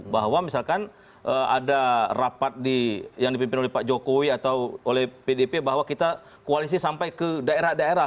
bahwa misalkan ada rapat yang dipimpin oleh pak jokowi atau oleh pdp bahwa kita koalisi sampai ke daerah daerah